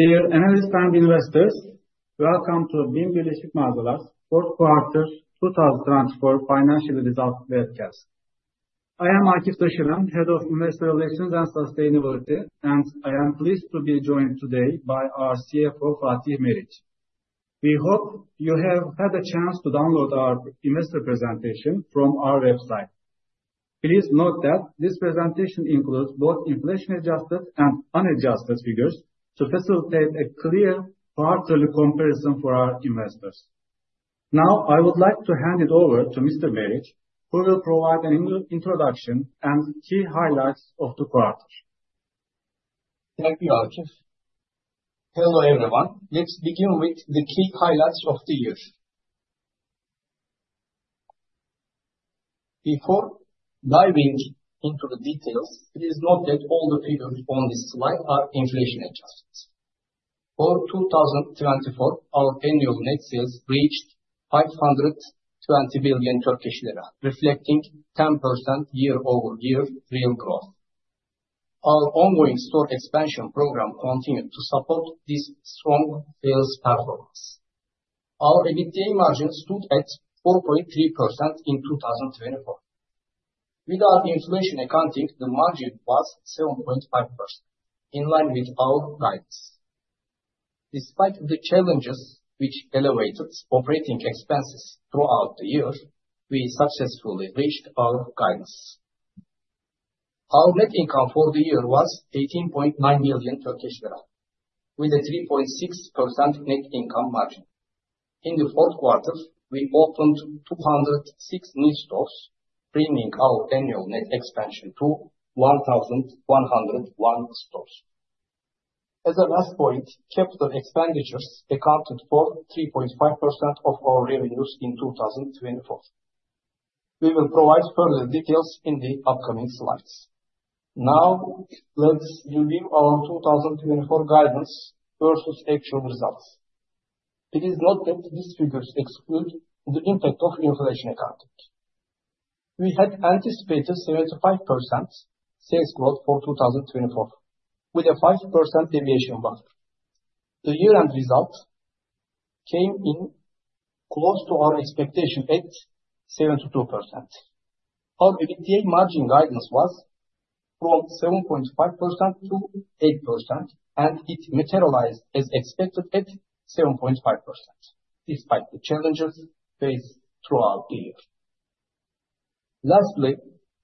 Dear Analysts and Investors, welcome to BIM Birleşik Mağazalar. Fourth quarter 2024 financial result webcast. I am Akif Daşıran, Head of Investor Relations and Sustainability, and I am pleased to be joined today by our CFO, Fatih Meriç. We hope you have had a chance to download our investor presentation from our website. Please note that this presentation includes both inflation-adjusted and unadjusted figures to facilitate a clear quarterly comparison for our investors. Now, I would like to hand it over to Mr. Meriç, who will provide an introduction and key highlights of the quarter. Thank you, Akif. Hello everyone. Let's begin with the key highlights of the year. Before diving into the details, please note that all the figures on this slide are inflation-adjusted. For 2024, our annual net sales reached 520 billion Turkish lira, reflecting 10% year-over-year real growth. Our ongoing store expansion program continued to support this strong sales performance. Our EBITDA margin stood at 4.3% in 2024. Without inflation accounting, the margin was 7.5%, in line with our guidance. Despite the challenges, which elevated operating expenses throughout the year, we successfully reached our guidance. Our net income for the year was TRY 18.9 billion, with a 3.6% net income margin. In the fourth quarter, we opened 206 new stores, bringing our annual net expansion to 1,101 stores. As a last point, capital expenditures accounted for 3.5% of our revenues in 2024. We will provide further details in the upcoming slides. Now, let's review our 2024 guidance versus actual results. Please note that these figures exclude the impact of inflation accounted. We had anticipated 75% sales growth for 2024, with a 5% deviation buffer. The year-end result came in close to our expectation at 72%. Our EBITDA margin guidance was from 7.5%-8%, and it materialized as expected at 7.5%, despite the challenges faced throughout the year. Lastly,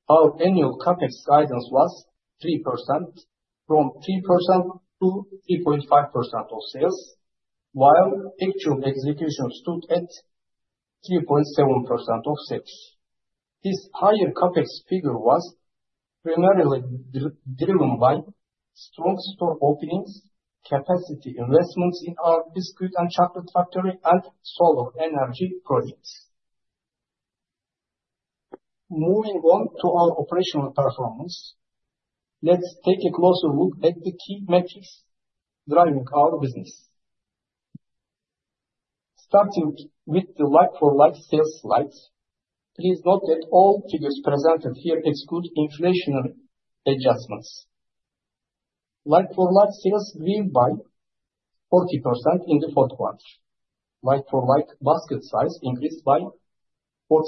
our annual CapEx guidance was 3%-3.5% of sales, while actual execution stood at 3.7% of sales. This higher CapEx figure was primarily driven by strong store openings, capacity investments in our biscuit and chocolate factory, and solar energy projects. Moving on to our operational performance, let's take a closer look at the key metrics driving our business. Starting with the like-for-like sales slides, please note that all figures presented here exclude inflation adjustments. Like-for-like sales grew by 40% in the fourth quarter. Like-for-like basket size increased by 47%,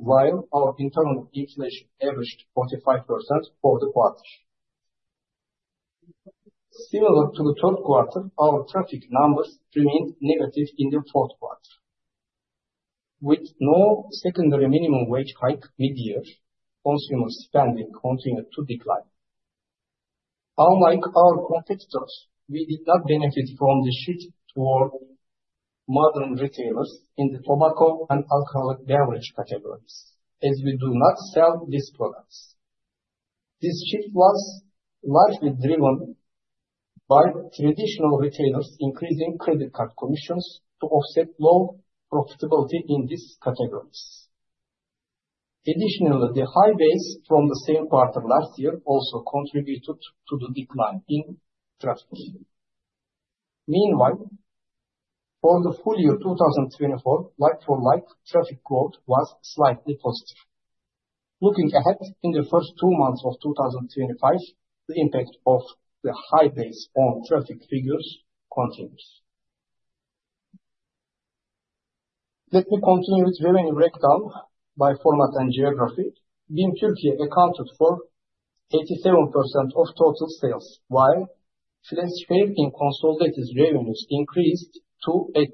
while our internal inflation averaged 45% for the quarter. Similar to the third quarter, our traffic numbers remained negative in the fourth quarter. With no secondary minimum wage hike mid-year, consumer spending continued to decline. Unlike our competitors, we did not benefit from the shift toward modern retailers in the tobacco and alcoholic beverage categories, as we do not sell these products. This shift was largely driven by traditional retailers increasing credit card commissions to offset low profitability in these categories. Additionally, the high base from the same quarter last year also contributed to the decline in traffic. Meanwhile, for the full year 2024, like-for-like traffic growth was slightly positive. Looking ahead in the first two months of 2025, the impact of the high base on traffic figures continues. Let me continue with revenue breakdown by format and geography. BIM Türkiye accounted for 87% of total sales, while FİLE share in consolidated revenues increased to 8%.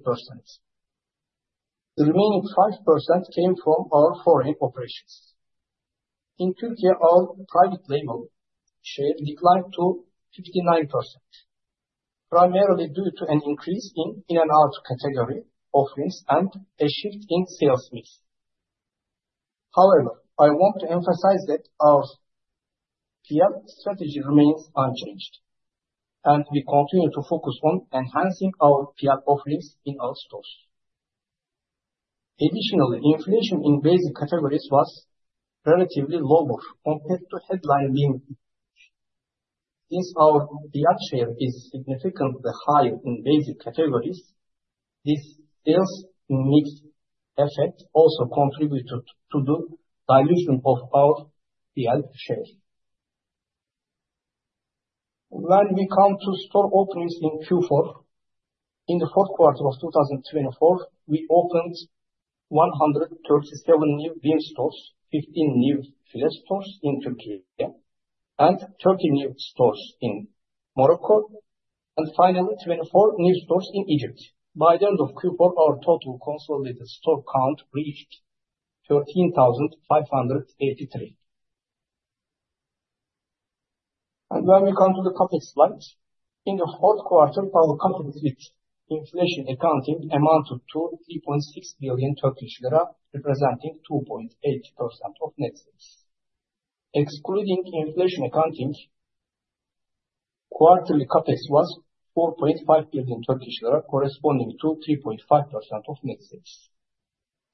The remaining 5% came from our foreign operations. In Türkiye, our private label share declined to 59%, primarily due to an increase in in-and-out category offerings and a shift in sales mix. However, I want to emphasize that our PL strategy remains unchanged, and we continue to focus on enhancing our PL offerings in our stores. Additionally, inflation in basic categories was relatively lower compared to headline inflation. Since our PL share is significantly higher in basic categories, this sales mix effect also contributed to the dilution of our PL share. When we come to store openings in Q4, in the fourth quarter of 2024, we opened 137 new BIM stores, 15 new FİLE stores in Türkiye, 30 new stores in Morocco, and finally 24 new stores in Egypt. By the end of Q4, our total consolidated store count reached 13,583. When we come to the CapEx slides, in the fourth quarter, our CapEx with inflation accounting amounted to 3.6 billion Turkish lira, representing 2.8% of net sales. Excluding inflation accounting, quarterly CapEx was 4.5 billion Turkish lira, corresponding to 3.5% of net sales.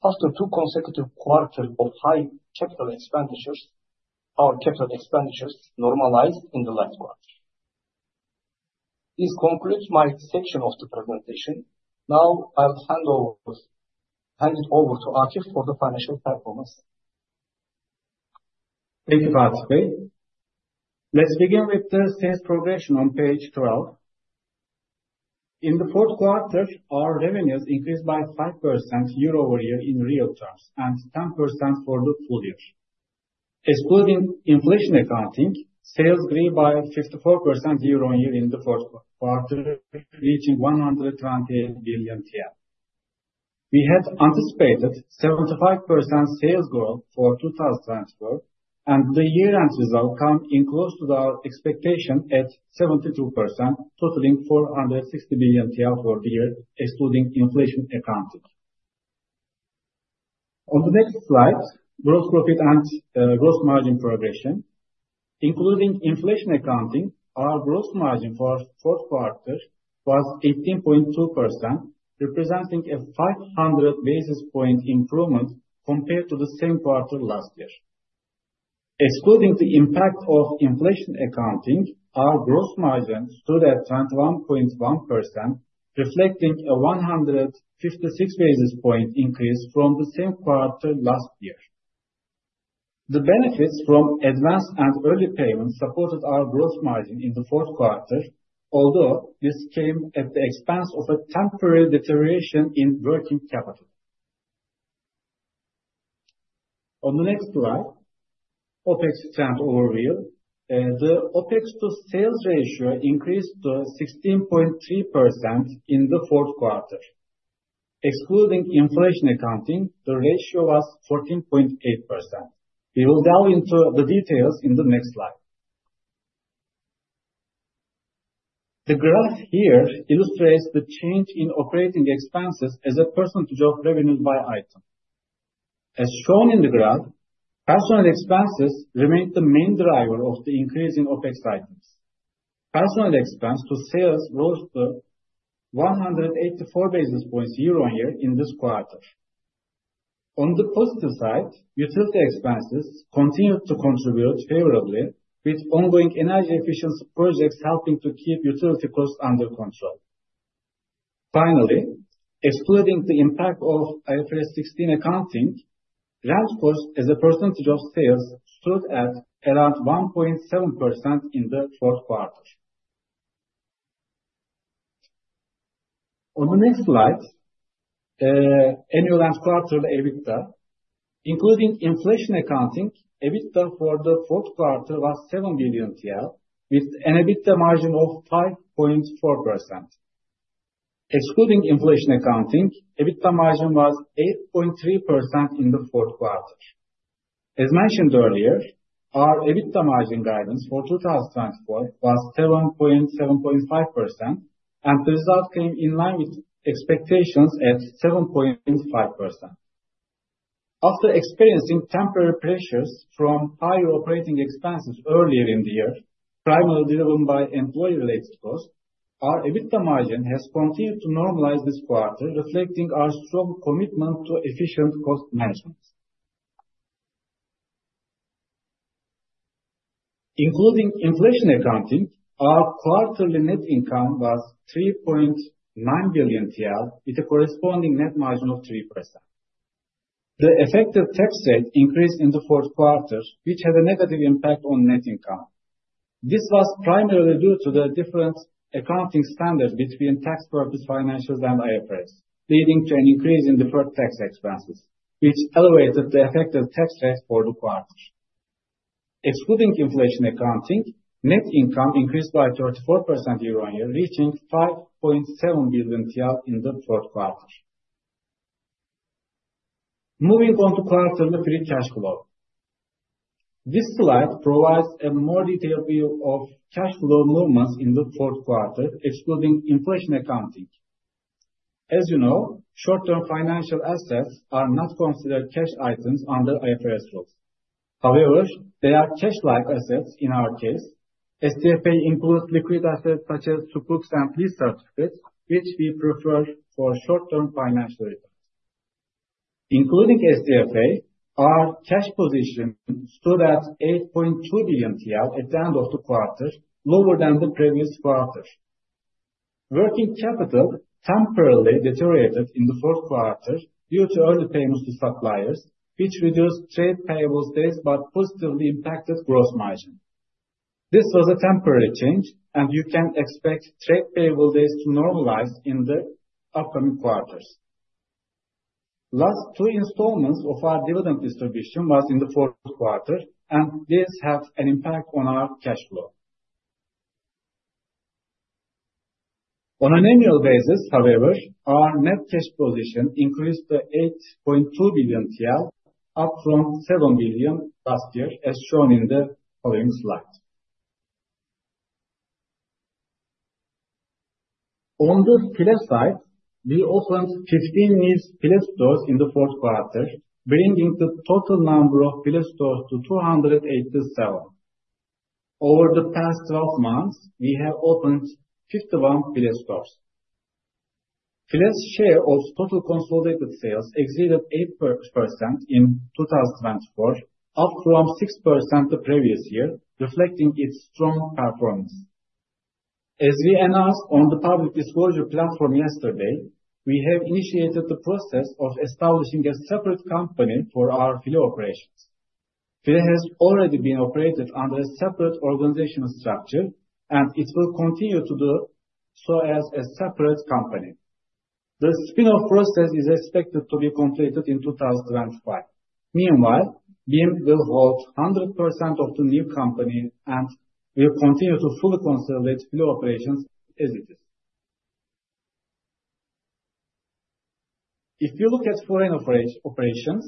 After two consecutive quarters of high capital expenditures, our capital expenditures normalized in the last quarter. This concludes my section of the presentation. Now, I'll hand it over to Akif for the financial performance. Thank you, Fatih Bey. Let's begin with the sales progression on page 12. In the fourth quarter, our revenues increased by 5% year-over-year in real terms and 10% for the full year. Excluding inflation accounting, sales grew by 54% year-on-year in the fourth quarter, reaching 128 billion TL. We had anticipated 75% sales growth for 2024, and the year-end result came in close to our expectation at 72%, totaling 460 billion TL for the year, excluding inflation accounting. On the next slide, gross profit and gross margin progression. Including inflation accounting, our gross margin for the fourth quarter was 18.2%, representing a 500 basis point improvement compared to the same quarter last year. Excluding the impact of inflation accounting, our gross margin stood at 21.1%, reflecting a 156 basis point increase from the same quarter last year. The benefits from advance and early payments supported our gross margin in the fourth quarter, although this came at the expense of a temporary deterioration in working capital. On the next slide, OpEx trend overview. The OpEx to sales ratio increased to 16.3% in the fourth quarter. Excluding inflation accounting, the ratio was 14.8%. We will delve into the details in the next slide. The graph here illustrates the change in operating expenses as a percentage of revenue by item. As shown in the graph, personnel expenses remained the main driver of the increase in OpEx items. Personnel expense to sales rose to 184 basis points year-on-year in this quarter. On the positive side, utility expenses continued to contribute favorably, with ongoing energy efficiency projects helping to keep utility costs under control. Finally, excluding the impact of IFRS 16 accounting, rent costs as a percentage of sales stood at around 1.7% in the fourth quarter. On the next slide, annual and quarterly EBITDA. Including inflation accounting, EBITDA for the fourth quarter was 7 billion TL, with an EBITDA margin of 5.4%. Excluding inflation accounting, EBITDA margin was 8.3% in the fourth quarter. As mentioned earlier, our EBITDA margin guidance for 2024 was 7.7-7.5%, and the result came in line with expectations at 7.5%. After experiencing temporary pressures from higher operating expenses earlier in the year, primarily driven by employee-related costs, our EBITDA margin has continued to normalize this quarter, reflecting our strong commitment to efficient cost management. Including inflation accounting, our quarterly net income was 3.9 billion TL, with a corresponding net margin of 3%. The effective tax rate increased in the fourth quarter, which had a negative impact on net income. This was primarily due to the different accounting standards between tax purpose financials and IFRS, leading to an increase in deferred tax expenses, which elevated the effective tax rate for the quarter. Excluding inflation accounting, net income increased by 34% year-on-year, reaching 5.7 billion TL in the fourth quarter. Moving on to quarterly free cash flow. This slide provides a more detailed view of cash flow movements in the fourth quarter, excluding inflation accounting. As you know, short-term financial assets are not considered cash items under IFRS rules. However, they are cash-like assets in our case. STFA includes liquid assets such as sukuks and lease certificates, which we prefer for short-term financial returns. Including STFA, our cash position stood at 8.2 billion TL at the end of the quarter, lower than the previous quarter. Working capital temporarily deteriorated in the fourth quarter due to early payments to suppliers, which reduced trade payable days but positively impacted gross margin. This was a temporary change, and you can expect trade payable days to normalize in the upcoming quarters. Last two installments of our dividend distribution were in the fourth quarter, and these have an impact on our cash flow. On an annual basis, however, our net cash position increased to 8.2 billion TL, up from 7 billion last year, as shown in the following slide. On the FİLE side, we opened 15 new FİLE stores in the fourth quarter, bringing the total number of FİLE stores to 287. Over the past 12 months, we have opened 51 FİLE stores. FİLE's share of total consolidated sales exceeded 8% in 2024, up from 6% the previous year, reflecting its strong performance. As we announced on the Public Disclosure Platform yesterday, we have initiated the process of establishing a separate company for our FİLE operations. FİLE has already been operated under a separate organizational structure, and it will continue to do so as a separate company. The spin-off process is expected to be completed in 2025. Meanwhile, BIM will hold 100% of the new company and will continue to fully consolidate FİLE operations as it is. If you look at foreign operations,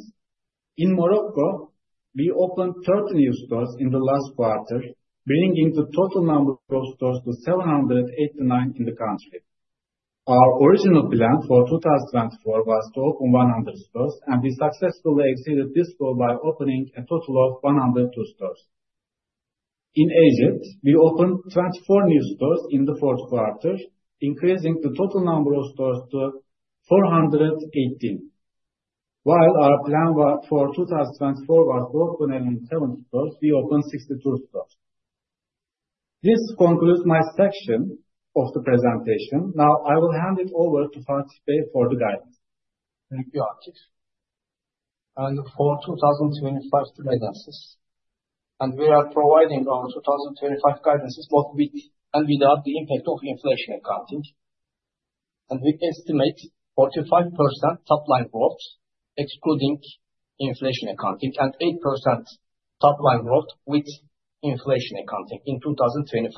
in Morocco, we opened 30 new stores in the last quarter, bringing the total number of stores to 789 in the country. Our original plan for 2024 was to open 100 stores, and we successfully exceeded this goal by opening a total of 102 stores. In Egypt, we opened 24 new stores in the fourth quarter, increasing the total number of stores to 418. While our plan for 2024 was to open 70 stores, we opened 62 stores. This concludes my section of the presentation. Now, I will hand it over to Fatih Bey for the guidance. Thank you, Akif. For 2025 guidances. We are providing our 2025 guidances both with and without the impact of inflation accounting. We estimate 45% top-line growth, excluding inflation accounting, and 8% top-line growth with inflation accounting in 2025,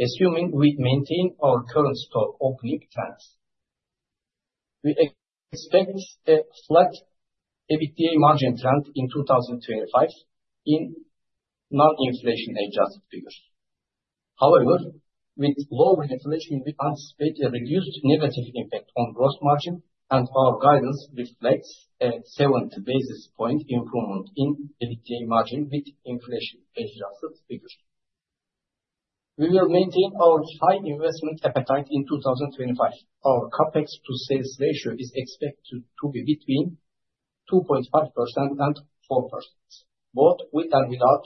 assuming we maintain our current store opening trends. We expect a flat EBITDA margin trend in 2025 in non-inflation adjusted figures. However, with lower inflation, we anticipate a reduced negative impact on gross margin, and our guidance reflects a 7 basis point improvement in EBITDA margin with inflation-adjusted figures. We will maintain our high investment appetite in 2025. Our CapEx to sales ratio is expected to be between 2.5% and 4%, both with and without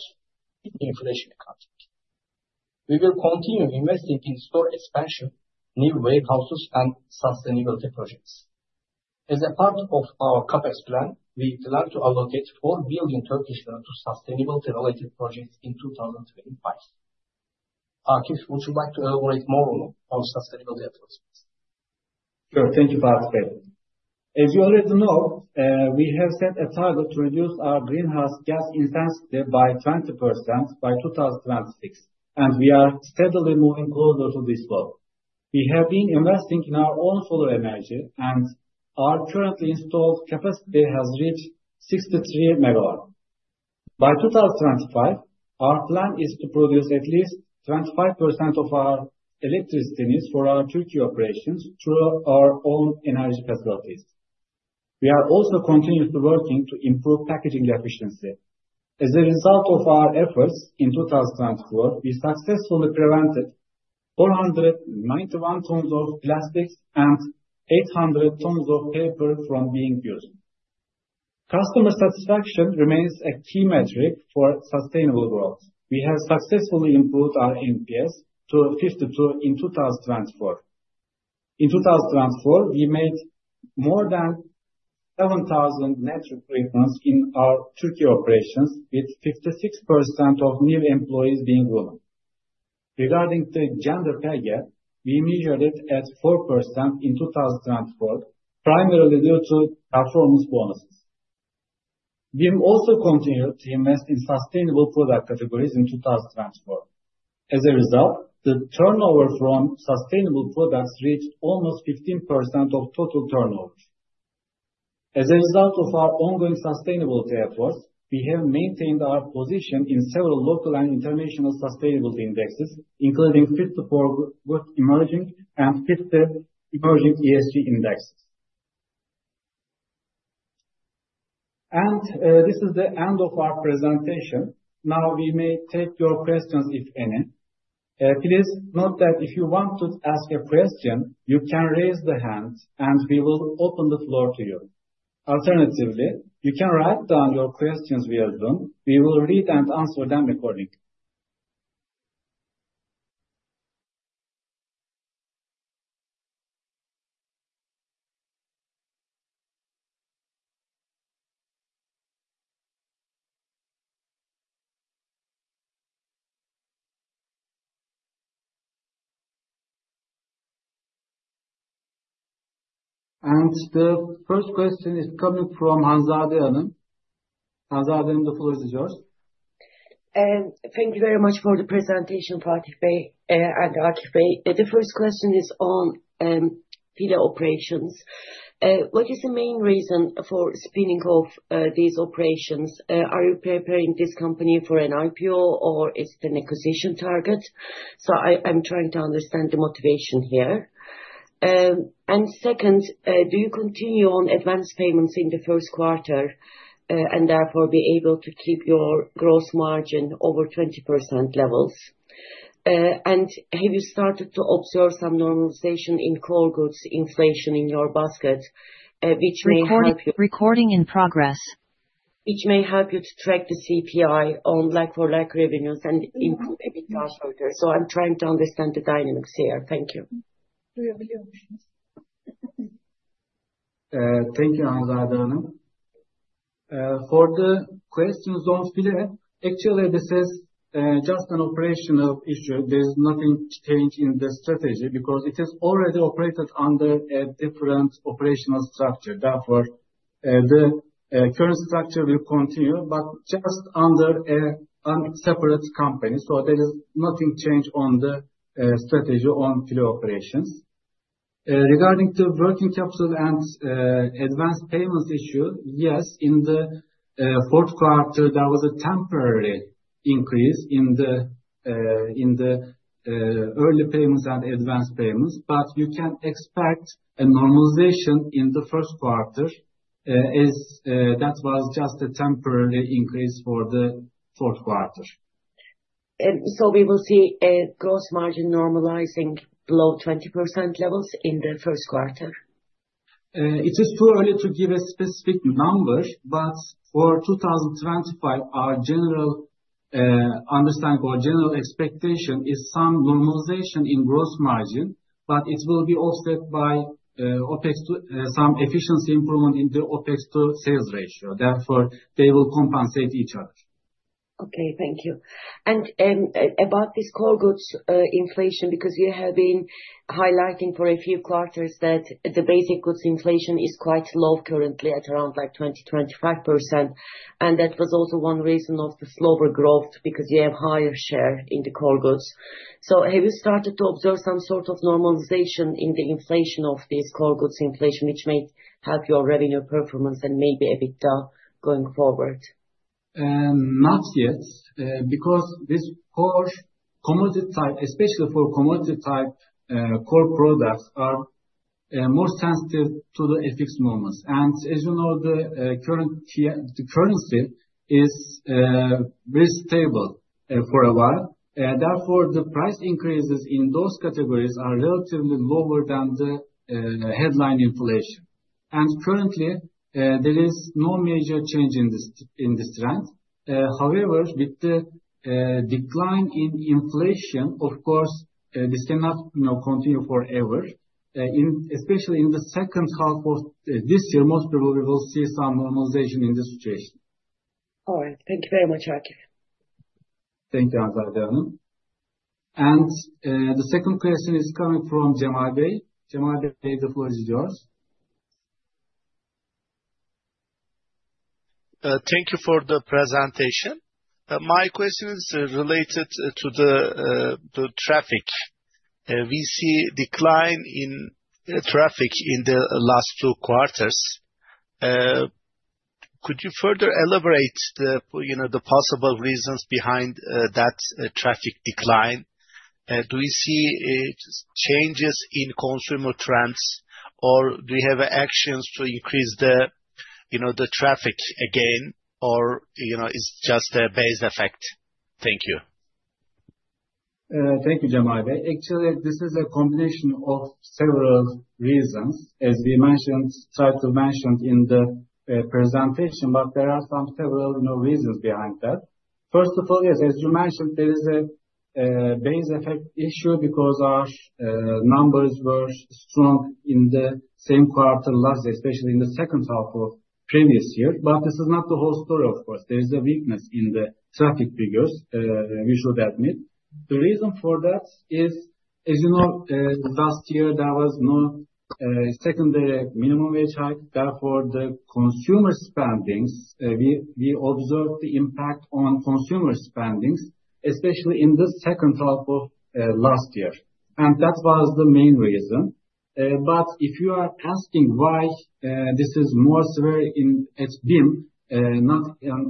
inflation accounting. We will continue investing in store expansion, new warehouses, and sustainability projects. As a part of our CapEx plan, we plan to allocate 4 billion Turkish lira to sustainability-related projects in 2025. Akif, would you like to elaborate more on sustainability approaches? Sure. Thank you, Fatih Bey. As you already know, we have set a target to reduce our greenhouse gas intensity by 20% by 2026, and we are steadily moving closer to this goal. We have been investing in our own solar energy, and our currently installed capacity has reached 63 megawatts. By 2025, our plan is to produce at least 25% of our electricity needs for our Turkey operations through our own energy facilities. We are also continuously working to improve packaging efficiency. As a result of our efforts in 2024, we successfully prevented 491 tons of plastics and 800 tons of paper from being used. Customer satisfaction remains a key metric for sustainable growth. We have successfully improved our NPS to 52 in 2024. In 2024, we made more than 7,000 net recruitments in our Turkey operations, with 56% of new employees being women. Regarding the gender pay gap, we measured it at 4% in 2024, primarily due to performance bonuses. BIM also continued to invest in sustainable product categories in 2024. As a result, the turnover from sustainable products reached almost 15% of total turnover. As a result of our ongoing sustainability efforts, we have maintained our position in several local and international sustainability indexes, including FTSE4Good Emerging and FTSE Emerging ESG Index. This is the end of our presentation. Now, we may take your questions, if any. Please note that if you want to ask a question, you can raise the hand, and we will open the floor to you. Alternatively, you can write down your questions via Zoom. We will read and answer them accordingly. The first question is coming from Hanzade Hanım. Hanzade Hanım, the floor is yours. Thank you very much for the presentation, Fatih Bey and Akif Bey. The first question is on FİLE operations. What is the main reason for spinning off these operations? Are you preparing this company for an IPO, or is it an acquisition target? I am trying to understand the motivation here. Second, do you continue on advance payments in the first quarter and therefore be able to keep your gross margin over 20% levels? Have you started to observe some normalization in core goods inflation in your basket, which may help you which may help you to track the CPI on like-for-like revenues and improve EBITDA shortly. I am trying to understand the dynamics here. Thank you. Thank you, Hanzade Hanım. For the questions on FİLE, actually, this is just an operational issue. There is nothing changed in the strategy because it has already operated under a different operational structure. Therefore, the current structure will continue, but just under a separate company. There is nothing changed on the strategy on FİLE operations. Regarding the working capital and advance payments issue, yes, in the fourth quarter, there was a temporary increase in the early payments and advance payments, but you can expect a normalization in the first quarter, as that was just a temporary increase for the fourth quarter. We will see a gross margin normalizing below 20% levels in the first quarter? It is too early to give a specific number, but for 2025, our general understanding or general expectation is some normalization in gross margin, but it will be offset by some efficiency improvement in the OpEx to sales ratio. Therefore, they will compensate each other. Okay, thank you. About this core goods inflation, because you have been highlighting for a few quarters that the basic goods inflation is quite low currently at around 20%-25%, and that was also one reason of the slower growth because you have a higher share in the core goods. Have you started to observe some sort of normalization in the inflation of these core goods inflation, which may help your revenue performance and maybe EBITDA going forward? Not yet, because these core commodity types, especially for commodity-type core products, are more sensitive to the FX movements. As you know, the currency is very stable for a while. Therefore, the price increases in those categories are relatively lower than the headline inflation. Currently, there is no major change in this trend. However, with the decline in inflation, of course, this cannot continue forever, especially in the second half of this year. Most probably, we will see some normalization in this situation. All right. Thank you very much, Akif. Thank you, Hanzade Hanım. The second question is coming from Cemal Bey. Cemal Bey, the floor is yours. Thank you for the presentation. My question is related to the traffic. We see a decline in traffic in the last two quarters. Could you further elaborate the possible reasons behind that traffic decline? Do we see changes in consumer trends, or do you have actions to increase the traffic again, or is it just a base effect? Thank you. Thank you, Cemal Bey. Actually, this is a combination of several reasons, as we tried to mention in the presentation, but there are some several reasons behind that. First of all, yes, as you mentioned, there is a base effect issue because our numbers were strong in the same quarter last year, especially in the second half of the previous year. This is not the whole story, of course. There is a weakness in the traffic figures, we should admit. The reason for that is, as you know, last year, there was no secondary minimum wage hike. Therefore, the consumer spendings, we observed the impact on consumer spendings, especially in the second half of last year. That was the main reason. If you are asking why this is more severe in BIM, not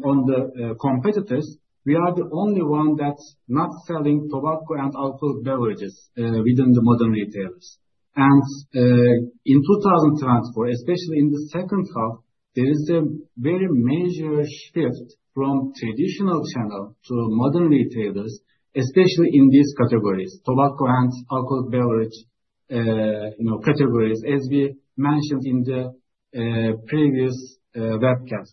on the competitors, we are the only one that's not selling tobacco and alcoholic beverages within the modern retailers. In 2024, especially in the second half, there is a very major shift from traditional channel to modern retailers, especially in these categories, tobacco and alcoholic beverage categories, as we mentioned in the previous webcast.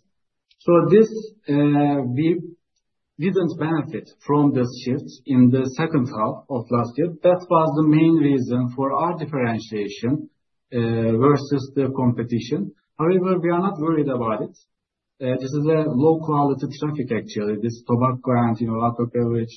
We did not benefit from this shift in the second half of last year. That was the main reason for our differentiation versus the competition. However, we are not worried about it. This is a low-quality traffic, actually. This tobacco and alcoholic beverage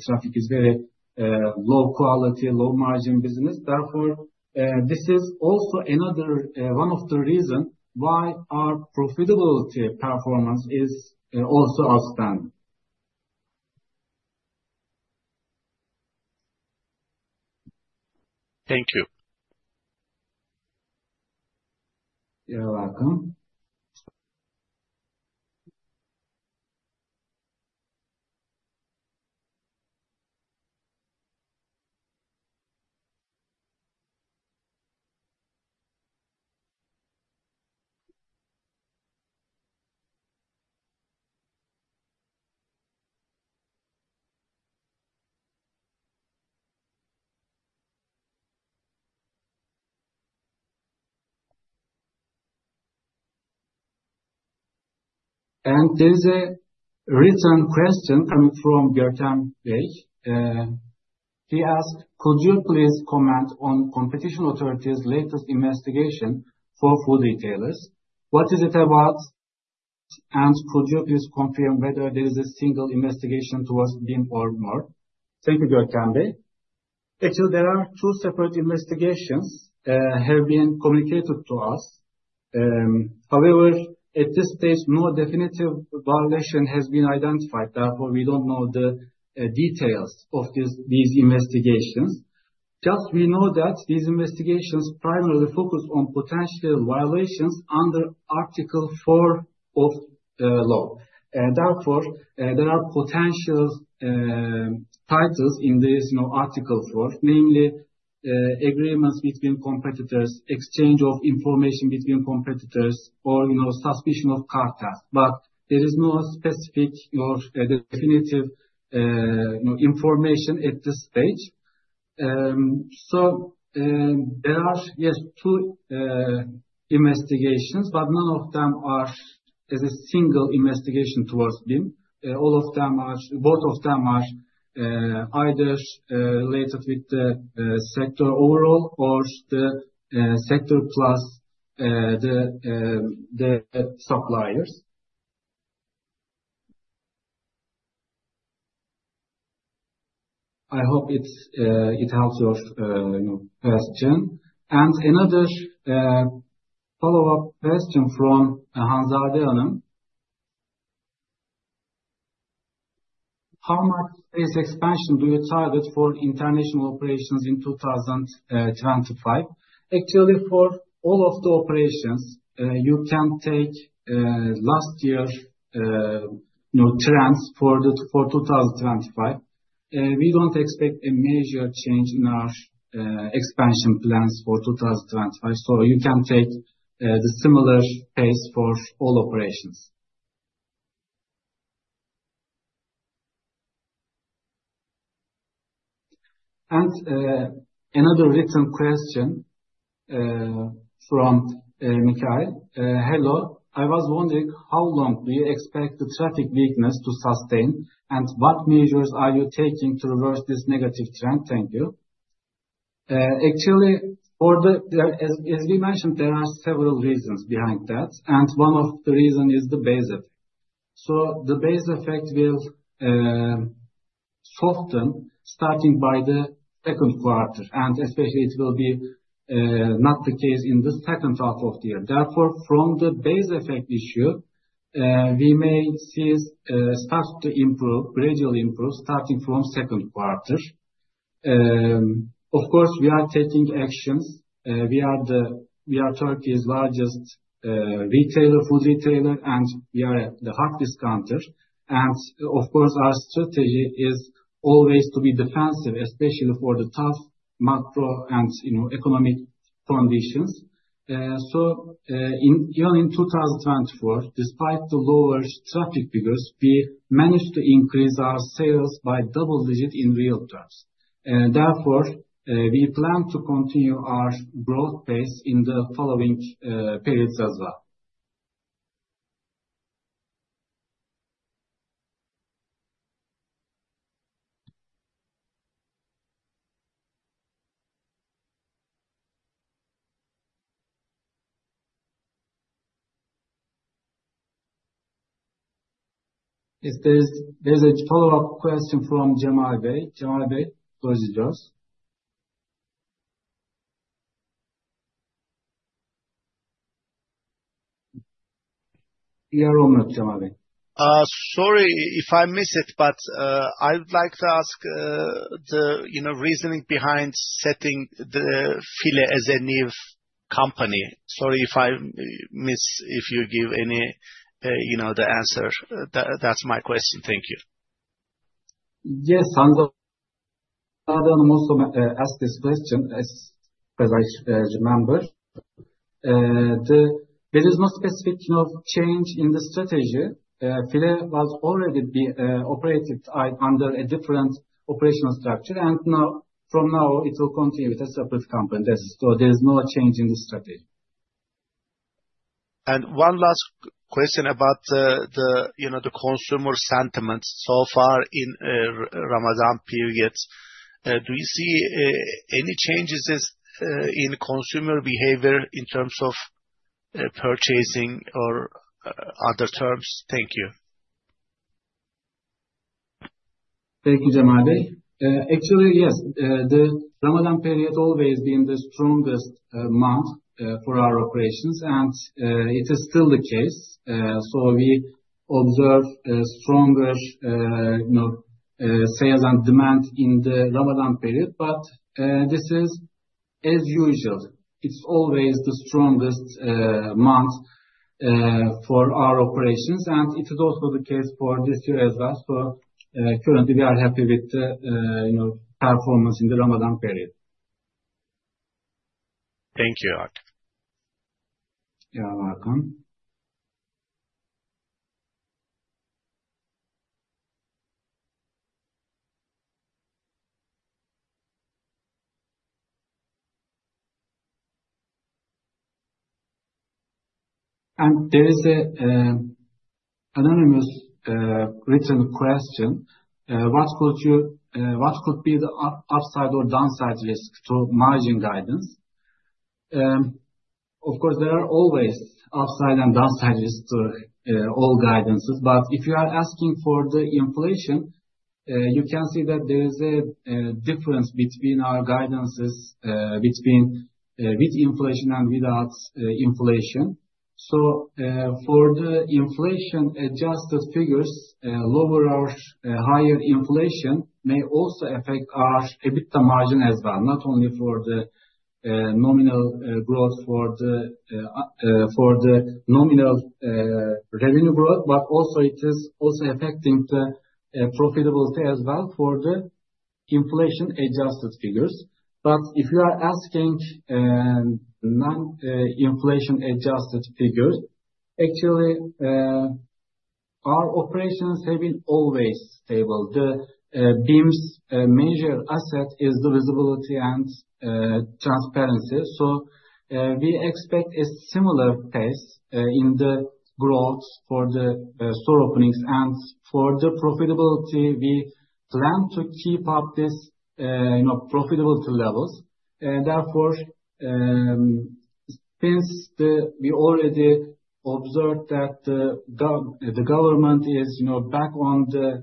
traffic is very low-quality, low-margin business. Therefore, this is also one of the reasons why our profitability performance is also outstanding. Thank you. You're welcome. There is a written question coming from Görkem Bey. He asked, "Could you please comment on Competition Authority's latest investigation for food retailers? What is it about? And could you please confirm whether there is a single investigation towards BIM or more?" Thank you, Görkem Bey. Actually, there are two separate investigations that have been communicated to us. However, at this stage, no definitive violation has been identified. Therefore, we don't know the details of these investigations. Just we know that these investigations primarily focus on potential violations under Article 4 of law. Therefore, there are potential titles in this Article 4, namely agreements between competitors, exchange of information between competitors, or suspicion of cartels. There is no specific or definitive information at this stage. There are, yes, two investigations, but none of them are as a single investigation towards BIM. Both of them are either related with the sector overall or the sector plus the suppliers. I hope it helps your question. Another follow-up question from Hanzade Hanım. How much space expansion do you target for international operations in 2025? Actually, for all of the operations, you can take last year's trends for 2025. We do not expect a major change in our expansion plans for 2025. You can take the similar pace for all operations. Another written question from Mikael. "Hello, I was wondering how long do you expect the traffic weakness to sustain, and what measures are you taking to reverse this negative trend?" Thank you. Actually, as we mentioned, there are several reasons behind that. One of the reasons is the base effect. The base effect will soften starting by the second quarter, and especially it will be not the case in the second half of the year. Therefore, from the base effect issue, we may see start to improve, gradually improve starting from the second quarter. Of course, we are taking actions. We are Türkiye's largest retailer, food retailer, and we are the hard discounter. Of course, our strategy is always to be defensive, especially for the tough macro and economic conditions. Even in 2024, despite the lower traffic figures, we managed to increase our sales by double digits in real terms. Therefore, we plan to continue our growth pace in the following periods as well. There is a follow-up question from Cemal Bey. Cemal Bey, the floor is yours. You're on mute, Cemal Bey. Sorry if I missed it, but I would like to ask the reasoning behind setting the FİLE as a new company. Sorry if I missed if you give the answer. That's my question. Thank you. Yes, Hanzade Hanım also asked this question, as I remember. There is no specific change in the strategy. FİLE was already operated under a different operational structure, and from now, it will continue with a separate company. There is no change in the strategy. One last question about the consumer sentiment so far in Ramadan period. Do you see any changes in consumer behavior in terms of purchasing or other terms? Thank you. Thank you, Cemal Bey. Actually, yes, the Ramadan period has always been the strongest month for our operations, and it is still the case. We observe stronger sales and demand in the Ramadan period, but this is, as usual, it's always the strongest month for our operations, and it is also the case for this year as well. Currently, we are happy with the performance in the Ramadan period. Thank you, Akif. You're welcome. There is an anonymous written question. What could be the upside or downside risk to margin guidance? Of course, there are always upside and downside risks to all guidances. If you are asking for the inflation, you can see that there is a difference between our guidances with inflation and without inflation. For the inflation-adjusted figures, lower or higher inflation may also affect our EBITDA margin as well, not only for the nominal growth, for the nominal revenue growth, but also it is also affecting the profitability as well for the inflation-adjusted figures. If you are asking non-inflation-adjusted figures, actually, our operations have been always stable. BIM's major asset is the visibility and transparency. We expect a similar pace in the growth for the store openings and for the profitability. We plan to keep up these profitability levels. Therefore, since we already observed that the government is back on the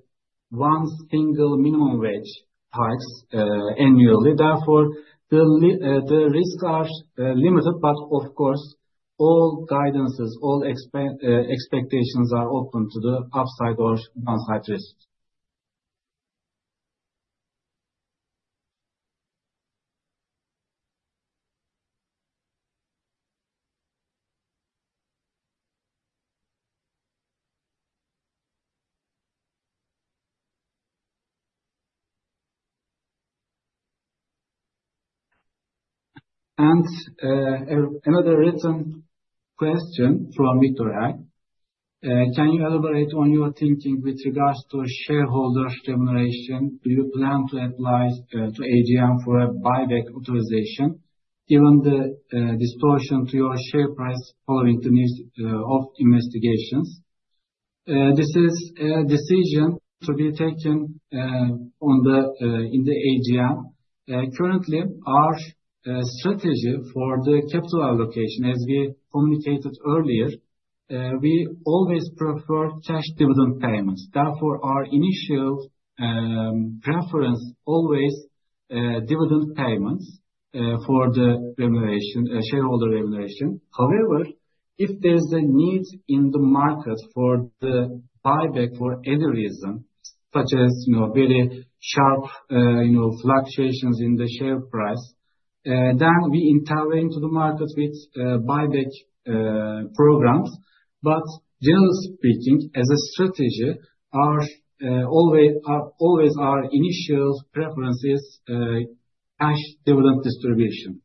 one single minimum wage hikes annually, the risks are limited, but of course, all guidances, all expectations are open to the upside or downside risk. Another written question from Victor I. Can you elaborate on your thinking with regards to shareholder remuneration? Do you plan to apply to AGM for a buyback authorization, given the distortion to your share price following the news of investigations? This is a decision to be taken in the AGM. Currently, our strategy for the capital allocation, as we communicated earlier, we always prefer cash dividend payments. Therefore, our initial preference is always dividend payments for the shareholder remuneration. However, if there is a need in the market for the buyback for any reason, such as very sharp fluctuations in the share price, then we intervene in the market with buyback programs. Generally speaking, as a strategy, always our initial preference is cash dividend distribution.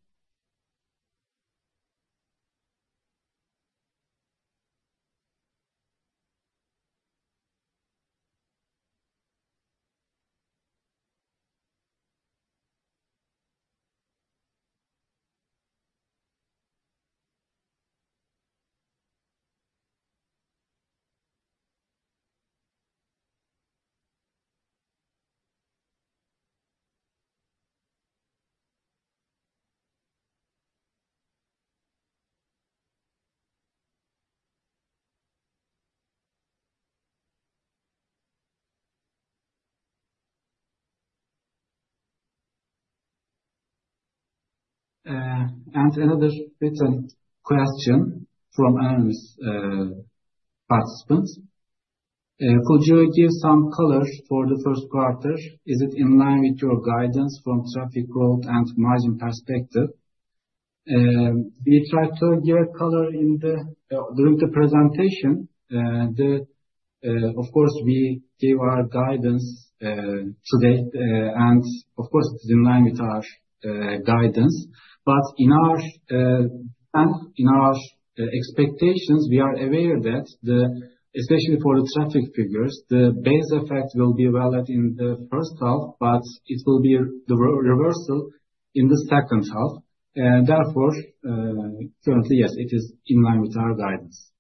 Another written question from anonymous participants. Could you give some color for the first quarter? Is it in line with your guidance from traffic growth and margin perspective? We tried to give a color during the presentation. Of course, we gave our guidance today, and of course, it is in line with our guidance. In our expectations, we are aware that, especially for the traffic figures, the base effect will be valid in the first half, but it will be the reversal in the second half. Therefore, currently, yes, it is in line with our guidance.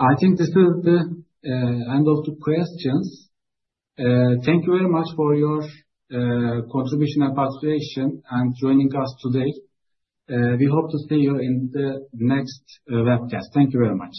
I think this is the end of the questions. Thank you very much for your contribution and participation and joining us today. We hope to see you in the next webcast. Thank you very much.